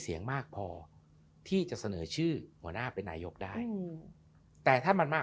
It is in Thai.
เสียงมากพอที่จะเสนอชื่อหัวหน้าเป็นนายกได้แต่ถ้ามันมาก